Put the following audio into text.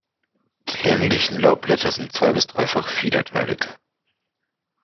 Die länglichen Laubblätter sind zwei- bis dreifach fiederteilig.